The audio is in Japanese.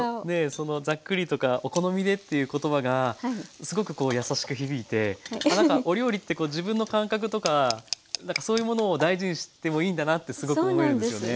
そのざっくりとかお好みでっていう言葉がすごくこう優しく響いて何かお料理って自分の感覚とかそういうものを大事にしてもいいんだなってすごく思えるんですよね。